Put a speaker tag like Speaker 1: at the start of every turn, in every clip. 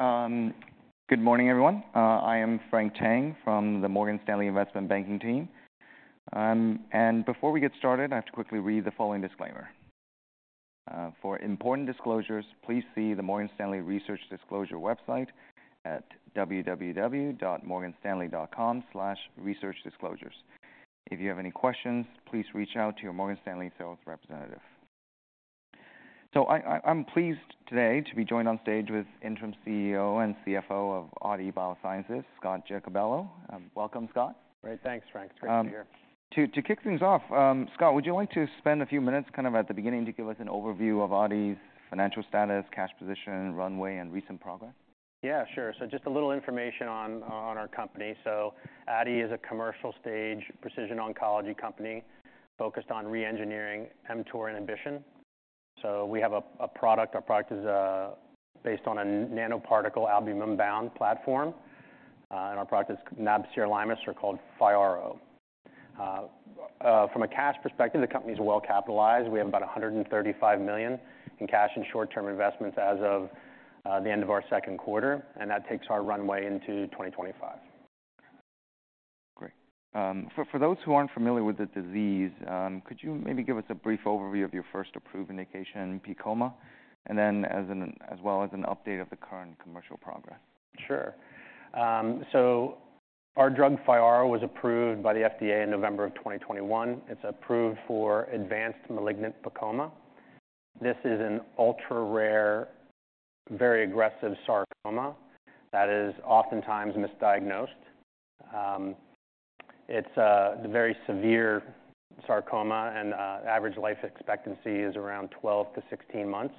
Speaker 1: Okay, good morning, everyone. I am Frank Tang from the Morgan Stanley Investment Banking team. And before we get started, I have to quickly read the following disclaimer. For important disclosures, please see the Morgan Stanley Research Disclosure website at www.morganstanley.com/researchdisclosures. If you have any questions, please reach out to your Morgan Stanley sales representative. So I'm pleased today to be joined on stage with Interim CEO and CFO of Aadi Bioscience, Scott Giacobello. Welcome, Scott.
Speaker 2: Great. Thanks, Frank. It's great to be here.
Speaker 1: To kick things off, Scott, would you like to spend a few minutes kind of at the beginning to give us an overview of Aadi's financial status, cash position, runway, and recent progress?
Speaker 2: Yeah, sure. So just a little information on our company. So Aadi is a commercial stage precision oncology company focused on re-engineering mTOR inhibition. So we have a product, our product is based on a nanoparticle albumin-bound platform, and our product is nab-sirolimus, called FYARRO. From a cash perspective, the company is well capitalized. We have about $135 million in cash and short-term investments as of the end of our second quarter, and that takes our runway into 2025.
Speaker 1: Great. For those who aren't familiar with the disease, could you maybe give us a brief overview of your first approved indication, PEComa, and then as an... as well as an update of the current commercial progress?
Speaker 2: Sure. So our drug, FYARRO, was approved by the FDA in November of 2021. It's approved for advanced malignant PEComa. This is an ultra-rare, very aggressive sarcoma that is oftentimes misdiagnosed. It's a very severe sarcoma, and average life expectancy is around 12-16 months.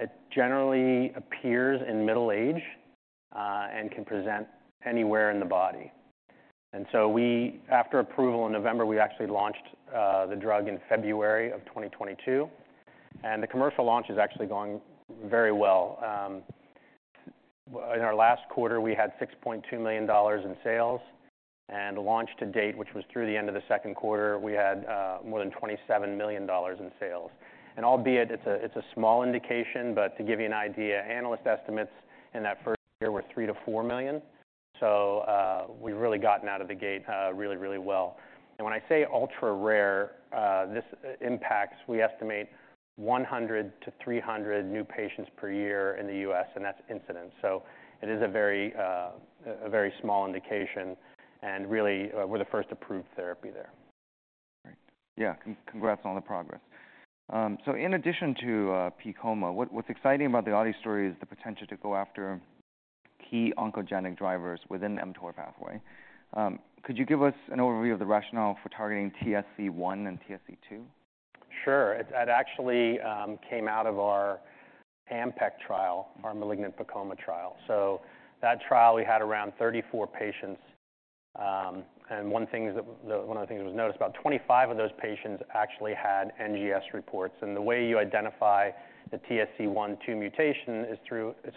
Speaker 2: It generally appears in middle age, and can present anywhere in the body. After approval in November, we actually launched the drug in February of 2022, and the commercial launch is actually going very well. In our last quarter, we had $6.2 million in sales, and launch to date, which was through the end of the second quarter, we had more than $27 million in sales. Albeit it's a small indication, but to give you an idea, analyst estimates in that first year were $3 million-$4 million, so we've really gotten out of the gate really, really well. And when I say ultra-rare, this impacts, we estimate 100-300 new patients per year in the U.S., and that's incidence. So it is a very small indication, and really we're the first approved therapy there.
Speaker 1: Great. Yeah, congrats on all the progress. So in addition to PEComa, what's exciting about the Aadi story is the potential to go after key oncogenic drivers within the mTOR pathway. Could you give us an overview of the rationale for targeting TSC1 and TSC2?
Speaker 2: Sure. That actually came out of our AMPECT trial, our malignant PEComa trial. So that trial, we had around 34 patients. One of the things that was noticed, about 25 of those patients actually had NGS reports, and the way you identify the TSC1/TSC2 mutation is through... It's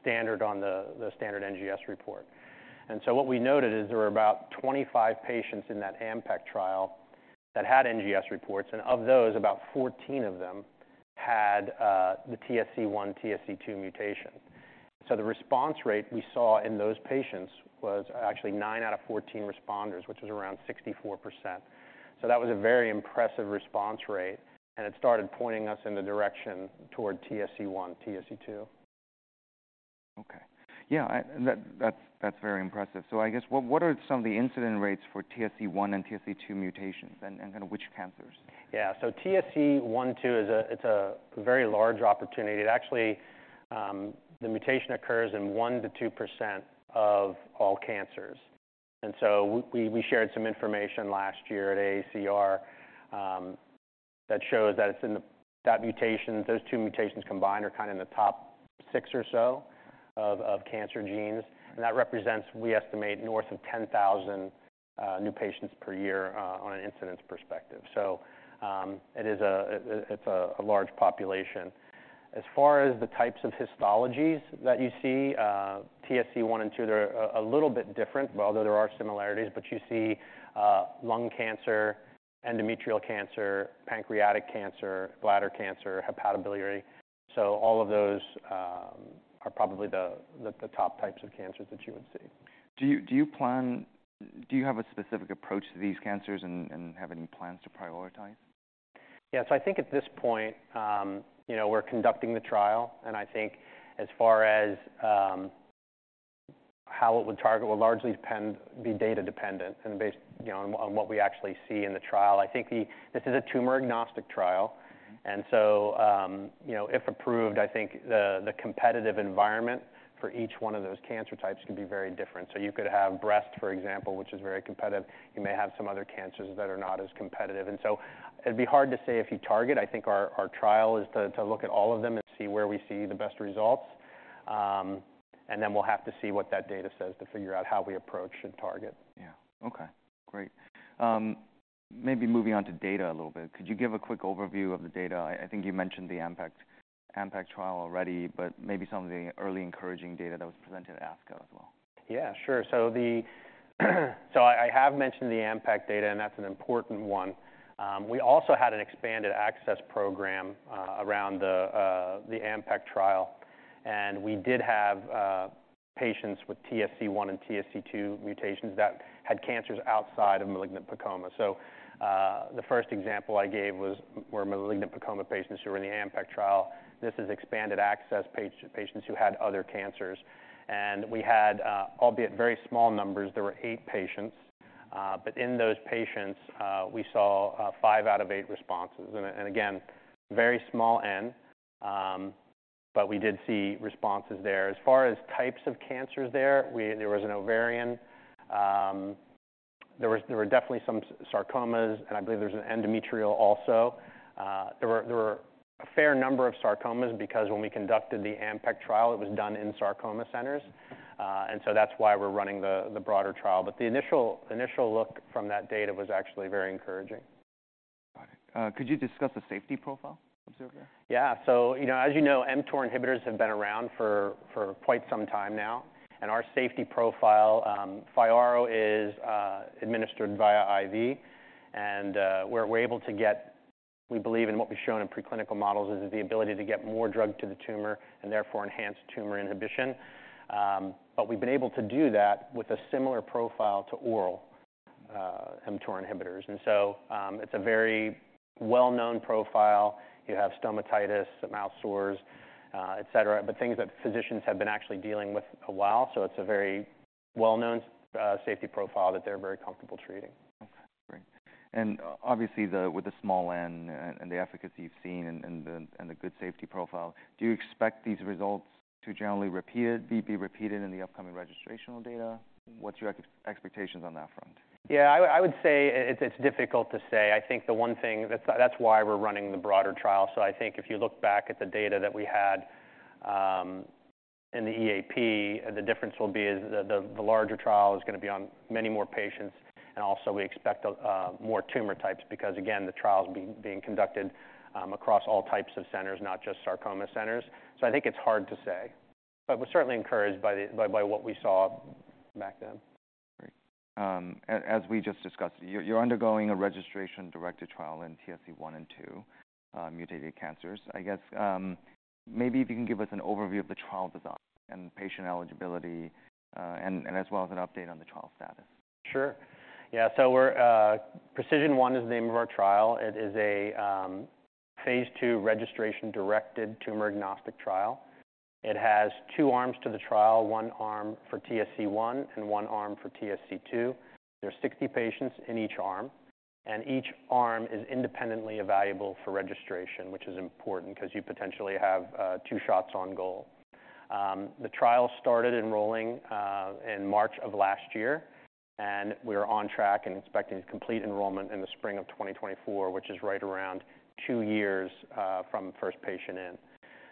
Speaker 2: standard on the standard NGS report. And so what we noted is there were about 25 patients in that AMPECT trial that had NGS reports, and of those, about 14 of them had the TSC1/TSC2 mutation. So the response rate we saw in those patients was actually nine out of 14 responders, which was around 64%. So that was a very impressive response rate, and it started pointing us in the direction toward TSC1/TSC2.
Speaker 1: Okay. Yeah, that's very impressive. So I guess, what are some of the incidence rates for TSC1 and TSC2 mutations, and kind of which cancers?
Speaker 2: Yeah. So TSC1/TSC2 is a very large opportunity. It actually, the mutation occurs in 1%-2% of all cancers. And so we shared some information last year at AACR that shows that it's in the. That mutation, those two mutations combined are kind of in the top six or so of cancer genes, and that represents, we estimate, north of 10,000 new patients per year on an incidence perspective. So it is a large population. As far as the types of histologist that you see, TSC1 and TSC2, they're a little bit different, although there are similarities, but you see lung cancer, endometrial cancer, pancreatic cancer, bladder cancer, hepatobiliary. So all of those are probably the top types of cancers that you would see.
Speaker 1: Do you have a specific approach to these cancers and have any plans to prioritize?
Speaker 2: Yeah, so I think at this point, you know, we're conducting the trial, and I think as far as how it would target will largely depend... be data dependent and based, you know, on what we actually see in the trial. I think the... This is a tumor-agnostic trial.
Speaker 1: Mm-hmm.
Speaker 2: And so, you know, if approved, I think the competitive environment for each one of those cancer types can be very different. So you could have breast, for example, which is very competitive. You may have some other cancers that are not as competitive. And so it'd be hard to say if you target. I think our trial is to look at all of them and see where we see the best results. And then we'll have to see what that data says to figure out how we approach and target.
Speaker 1: Yeah. Okay, great. Maybe moving on to data a little bit, could you give a quick overview of the data? I, I think you mentioned the AMPECT, AMPECT trial already, but maybe some of the early encouraging data that was presented at ASCO as well.
Speaker 2: Yeah, sure. So I have mentioned the AMPECT data, and that's an important one. We also had an expanded access program around the AMPECT trial, and we did have patients with TSC1 and TSC2 mutations that had cancers outside of malignant sarcoma. So the first example I gave were malignant sarcoma patients who were in the AMPECT trial. This is expanded access patients who had other cancers, and we had, albeit very small numbers, there were 8 patients. But in those patients, we saw five out of eight responses. And again, very small N, but we did see responses there. As far as types of cancers there, there was an ovarian, there were definitely some sarcomas, and I believe there was an endometrial also. There were a fair number of sarcomas because when we conducted the AMPECT trial, it was done in sarcoma centers. And so that's why we're running the broader trial. But the initial look from that data was actually very encouraging.
Speaker 1: Got it. Could you discuss the safety profile observed there?
Speaker 2: Yeah. So, you know, as you know, mTOR inhibitors have been around for quite some time now, and our safety profile, FYARRO is administered via IV, and we're able to get... We believe, and what we've shown in preclinical models, is the ability to get more drug to the tumor and therefore enhance tumor inhibition. But we've been able to do that with a similar profile to oral mTOR inhibitors, and so, it's a very well-known profile. You have stomatitis, mouth sores, etc. But things that physicians have been actually dealing with a while, so it's a very well-known safety profile that they're very comfortable treating.
Speaker 1: Okay, great. And obviously, with the small N and the efficacy you've seen and the good safety profile, do you expect these results to generally repeat, be repeated in the upcoming registrational data? What's your expectations on that front?
Speaker 2: Yeah, I would say it's difficult to say. I think the one thing... That's why we're running the broader trial. So I think if you look back at the data that we had in the EAP, the difference will be is the larger trial is gonna be on many more patients, and also we expect a more tumor types, because, again, the trial's being conducted across all types of centers, not just sarcoma centers. So I think it's hard to say, but we're certainly encouraged by what we saw back then.
Speaker 1: Great. As we just discussed, you're undergoing a registration-directed trial in TSC1 and TSC2 mutated cancers. I guess, maybe if you can give us an overview of the trial design and patient eligibility, and as well as an update on the trial status.
Speaker 2: Sure. Yeah, so we're, PRECISION1 is the name of our trial. It is a, phase II registration-directed tumor-agnostic trial. It has two arms to the trial, one arm for TSC1 and one arm for TSC2. There are 60 patients in each arm, and each arm is independently evaluable for registration, which is important because you potentially have, two shots on goal. The trial started enrolling, in March of last year, and we are on track and expecting to complete enrollment in the spring of 2024, which is right around two years, from first patient in.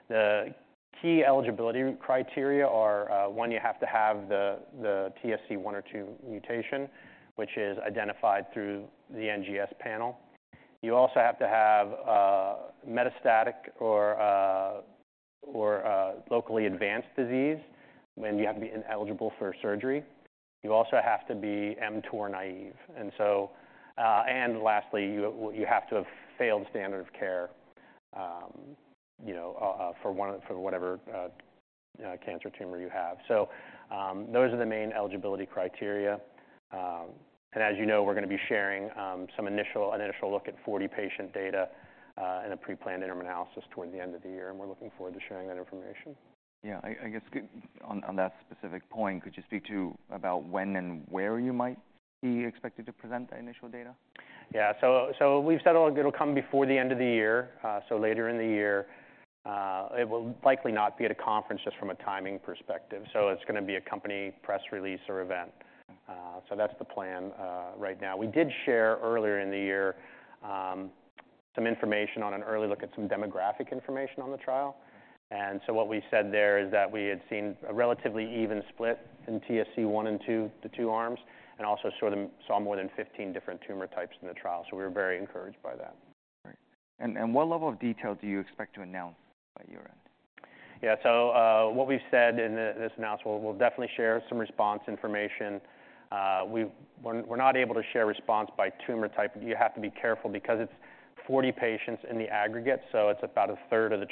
Speaker 2: The key eligibility criteria are, one, you have to have the, the TSC1 or TSC2 mutation, which is identified through the NGS panel. You also have to have metastatic or locally advanced disease, and you have to be ineligible for surgery. You also have to be mTOR naive, and so... And lastly, you have to have failed standard of care, you know, for whatever cancer tumor you have. So, those are the main eligibility criteria. And as you know, we're gonna be sharing an initial look at 40 patient data in a pre-planned interim analysis toward the end of the year, and we're looking forward to sharing that information.
Speaker 1: Yeah. I guess, on that specific point, could you speak to about when and where you might be expected to present that initial data?
Speaker 2: Yeah. So we've said it'll come before the end of the year, so later in the year. It will likely not be at a conference just from a timing perspective, so it's gonna be a company press release or event. So that's the plan right now. We did share earlier in the year some information on an early look at some demographic information on the trial, and so what we said there is that we had seen a relatively even split in TSC1 and TSC2, the two arms, and also sort of saw more than 15 different tumor types in the trial. So we were very encouraged by that.
Speaker 1: Great. And, what level of detail do you expect to announce by year-end?
Speaker 2: Yeah. So, what we've said in this announcement, we'll definitely share some response information. We're not able to share response by tumor type. You have to be careful because it's 40 patients in the aggregate, so it's about a third of the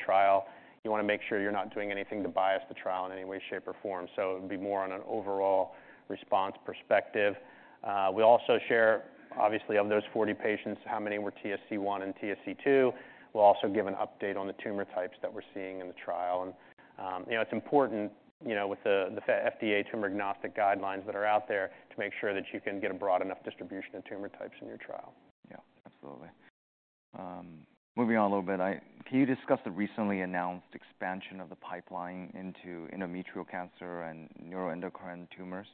Speaker 2: trial. You wanna make sure you're not doing anything to bias the trial in any way, shape, or form. So it would be more on an overall response perspective. We also share, obviously, of those 40 patients, how many were TSC1 and TSC2. We'll also give an update on the tumor types that we're seeing in the trial. And, you know, it's important, you know, with the FDA tumor-agnostic guidelines that are out there, to make sure that you can get a broad enough distribution of tumor types in your trial.
Speaker 1: Yeah, absolutely. Moving on a little bit, can you discuss the recently announced expansion of the pipeline into endometrial cancer and neuroendocrine tumors?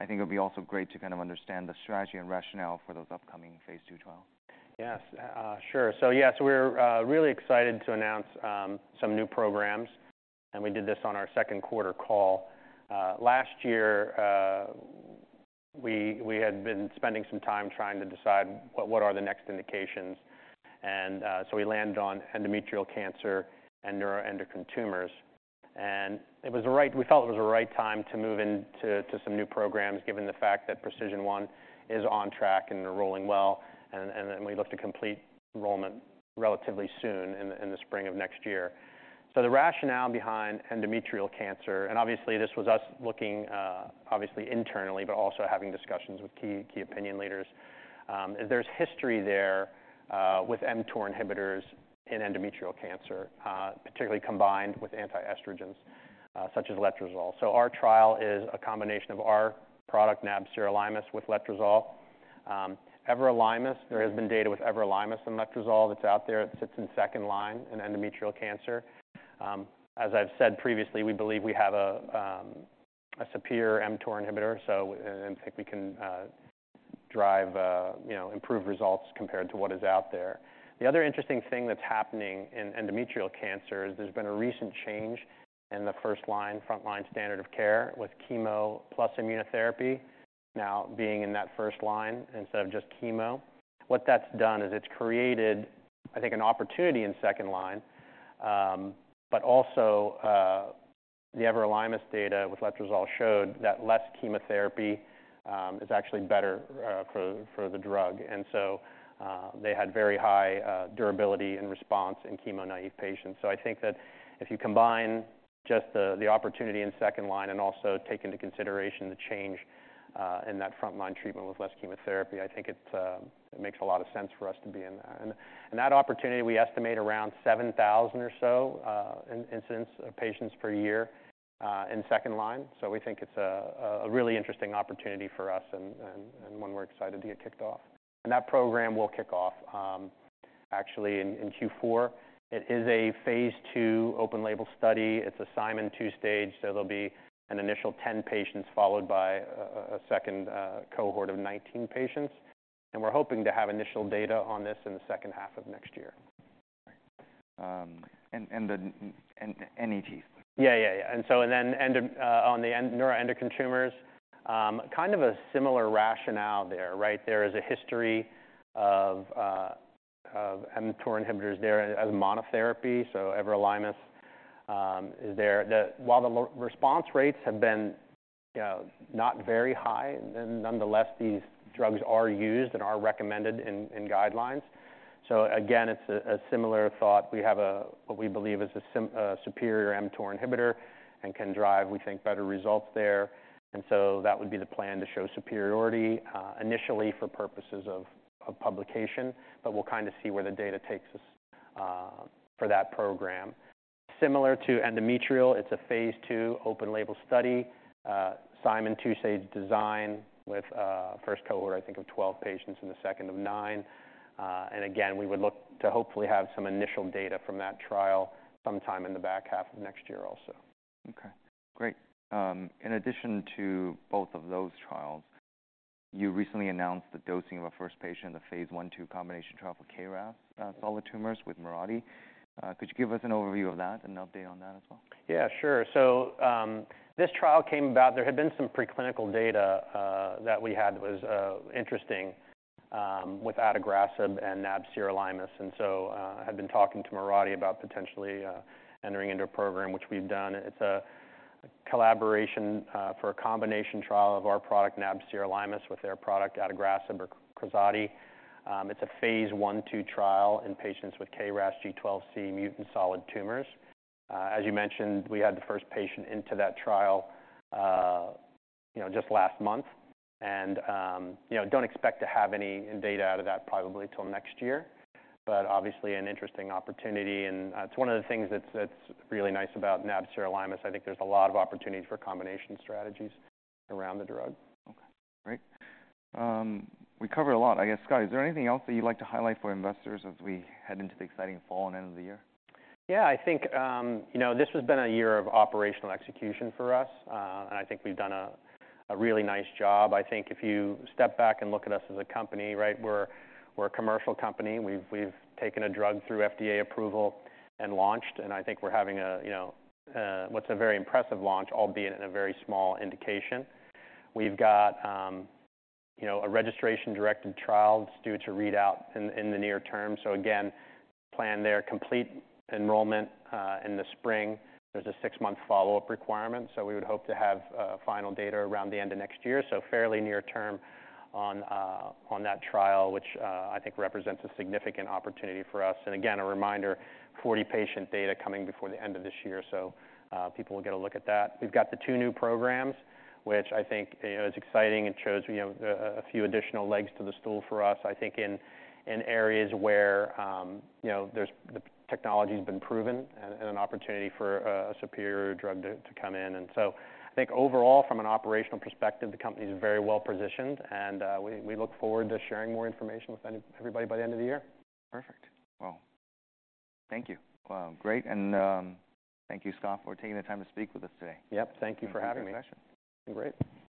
Speaker 1: I think it would be also great to kind of understand the strategy and rationale for those upcoming phase II trials.
Speaker 2: Yes. Sure. So yes, we're really excited to announce some new programs, and we did this on our second quarter call last year. We had been spending some time trying to decide what are the next indications, and so we landed on endometrial cancer and neuroendocrine tumors. We felt it was the right time to move into some new programs, given the fact that PRECISION1 is on track and enrolling well, and we look to complete enrollment relatively soon in the spring of next year. So the rationale behind endometrial cancer, and obviously this was us looking internally, but also having discussions with key opinion leaders, is there's history there with mTOR inhibitors in endometrial cancer, particularly combined with anti-estrogens such as letrozole. So our trial is a combination of our product, nab-sirolimus, with letrozole. Everolimus, there has been data with everolimus and letrozole that's out there. It sits in second line in endometrial cancer. As I've said previously, we believe we have a superior mTOR inhibitor, so I think we can drive, you know, improved results compared to what is out there. The other interesting thing that's happening in endometrial cancer is there's been a recent change in the first-line, frontline standard of care, with chemo plus immunotherapy now being in that first line instead of just chemo. What that's done is it's created, I think, an opportunity in second line, but also, the everolimus data with letrozole showed that less chemotherapy is actually better for the drug. They had very high durability and response in chemo-naive patients. So I think that if you combine just the opportunity in second-line and also take into consideration the change in that frontline treatment with less chemotherapy, I think it makes a lot of sense for us to be in that. And that opportunity, we estimate around 7,000 or so in incidence of patients per year in second-line. So we think it's a really interesting opportunity for us and one we're excited to get kicked off. And that program will kick off actually in Q4. It is a phase II open-label study. It's a Simon two-stage, so there'll be an initial 10 patients, followed by a second cohort of 19 patients, and we're hoping to have initial data on this in the second half of next year.
Speaker 1: And the NET?
Speaker 2: Yeah, yeah, yeah. And so, then, on the neuroendocrine tumors, kind of a similar rationale there, right? There is a history of mTOR inhibitors there as monotherapy, so everolimus is there. While the response rates have been not very high, then nonetheless, these drugs are used and are recommended in guidelines. So again, it's a similar thought. We have what we believe is a superior mTOR inhibitor and can drive, we think, better results there. And so that would be the plan, to show superiority, initially for purposes of publication, but we'll kind of see where the data takes us, for that program. Similar to endometrial, it's a phase II open label study, Simon two-stage design with a first cohort, I think, of 12 patients and a second of nine. And again, we would look to hopefully have some initial data from that trial sometime in the back half of next year also.
Speaker 1: Okay, great. In addition to both of those trials, you recently announced the dosing of a first patient in the phase I/II combination trial for KRAS solid tumors with Mirati. Could you give us an overview of that and an update on that as well?
Speaker 2: Yeah, sure. So, this trial came about. There had been some preclinical data that we had that was interesting with adagrasib and nab-sirolimus. And so, had been talking to Mirati about potentially entering into a program, which we've done. It's a collaboration for a combination trial of our product, nab-sirolimus, with their product, adagrasib or KRAZATI. It's a phase I/II trial in patients with KRAS G12C mutant solid tumors. As you mentioned, we had the first patient into that trial, you know, just last month. And, you know, don't expect to have any data out of that probably till next year. But obviously an interesting opportunity, and it's one of the things that's really nice about nab-sirolimus. I think there's a lot of opportunities for combination strategies around the drug.
Speaker 1: Okay, great. We covered a lot, I guess, Scott, is there anything else that you'd like to highlight for investors as we head into the exciting fall and end of the year?
Speaker 2: Yeah, I think, you know, this has been a year of operational execution for us. And I think we've done a really nice job. I think if you step back and look at us as a company, right? We're a commercial company. We've taken a drug through FDA approval and launched, and I think we're having, you know, a very impressive launch, albeit in a very small indication. We've got, you know, a registration-directed trial that's due to read out in the near term. So again, plan there, complete enrollment in the spring. There's a six-month follow-up requirement, so we would hope to have final data around the end of next year. So fairly near term on that trial, which I think represents a significant opportunity for us. And again, a reminder, 40 patient data coming before the end of this year, so people will get a look at that. We've got the two new programs, which I think, you know, is exciting and shows, you know, a few additional legs to the stool for us, I think, in areas where, you know, there's... The technology's been proven and an opportunity for a superior drug to come in. And so I think overall, from an operational perspective, the company is very well positioned, and we look forward to sharing more information with everybody by the end of the year.
Speaker 1: Perfect. Well, thank you. Well, great, and thank you, Scott, for taking the time to speak with us today.
Speaker 2: Yep. Thank you for having me.
Speaker 1: Thanks for the session. Great.